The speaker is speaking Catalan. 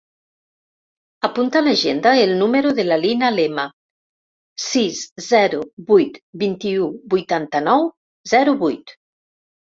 Apunta a l'agenda el número de la Lina Lema: sis, zero, vuit, vint-i-u, vuitanta-nou, zero, vuit.